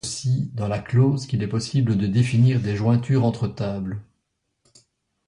C'est aussi dans la clause qu'il est possible de définir des jointures entre tables.